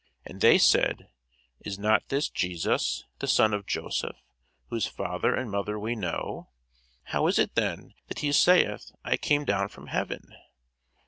And they said, Is not this Jesus, the son of Joseph, whose father and mother we know? how is it then that he saith, I came down from heaven?